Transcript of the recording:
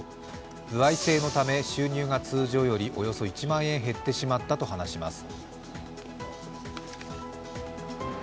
歩合制のため収入が通常よりおよそ１万円減ってしまったと話します。